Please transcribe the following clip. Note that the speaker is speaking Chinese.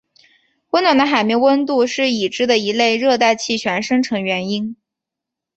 温暖的海面温度是已知的一类热带气旋生成原因。